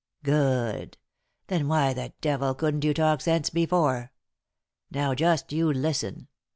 " Good 1 Then why the devil couldn't you talk sense before ? Now, just you listen.